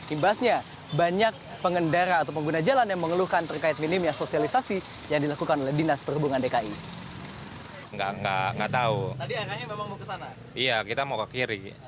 imbasnya banyak pengendara atau pengguna jalan yang mengeluhkan terkait minimnya sosialisasi yang dilakukan oleh dinas perhubungan dki